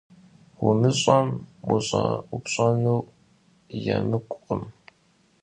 Vumış'em vuş'eupş'enır yêmık'ukhım.